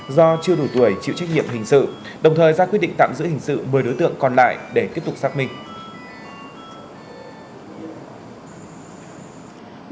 do chưa đủ tuổi chịu trách nhiệm hình sự đồng thời ra quyết định tạm giữ hình sự một mươi đối tượng còn lại để tiếp tục xác minh